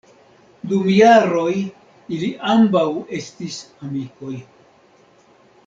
Dum jaroj ili ambaŭ estis amikoj.